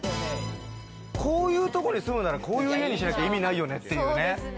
こういうところに住むならこういう家にしなきゃ意味ないよねっていうね。